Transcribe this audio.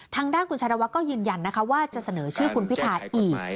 ทางด้านคุณชายวัดก็ยืนยันนะคะว่าจะเสนอชื่อคุณพิทาอีก